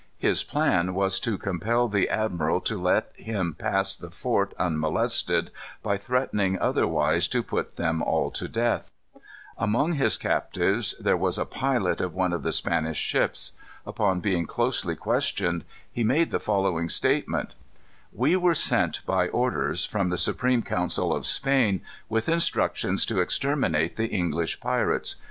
His plan was to compel the admiral to let him pass the fort unmolested, by threatening otherwise to put them all to death. Among his captives there was a pilot of one of the Spanish ships. Upon being closely questioned, he made the following statement: "We were sent by orders from the Supreme Council of Spain, with instructions to exterminate the English pirates.